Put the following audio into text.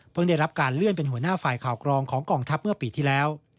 ได้รับการเลื่อนเป็นหัวหน้าฝ่ายข่าวกรองของกองทัพเมื่อปีที่แล้ว